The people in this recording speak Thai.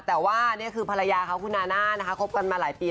แต่ว่านี่คือภรรยาเขาคุณนาน่านะคะคบกันมาหลายปี